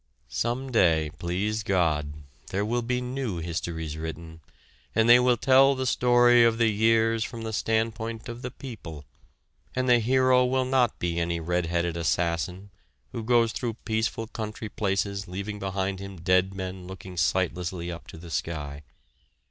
Some day, please God, there will be new histories written, and they will tell the story of the years from the standpoint of the people, and the hero will not be any red handed assassin who goes through peaceful country places leaving behind him dead men looking sightlessly up to the sky.